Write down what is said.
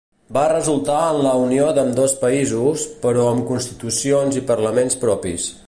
Va resultar en la unió d'ambdós països, però amb constitucions i parlaments propis.